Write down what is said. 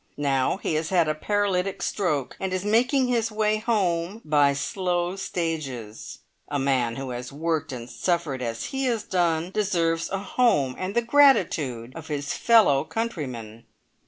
Now he has had a paralytic stroke, and is making his way home by slow stages. A man who has worked and suffered as he has done deserves a home, and the gratitude of his fellow countrymen."